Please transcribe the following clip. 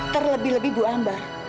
terlebih lebih bu ambar